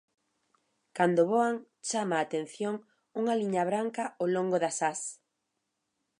Cando voan chama a atención unha liña branca ao longo das ás.